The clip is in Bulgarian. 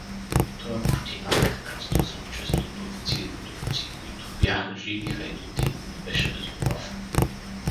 Тоя пущинак, кръстосван често от ловци турци, които бяха живи хайдути, не беше безопасен.